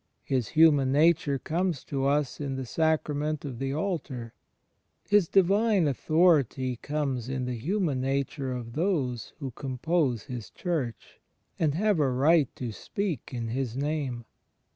His Human Nature comes to us in the Sacrament of the Altar; His Divine authority comes in the Human Nature of those who compose His Church, and have a right to speak in His Name.